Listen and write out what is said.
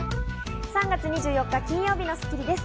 ３月２４日、金曜日の『スッキリ』です。